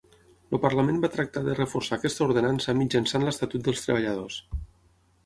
El Parlament va tractar de reforçar aquesta Ordenança mitjançant l'Estatut dels Treballadors.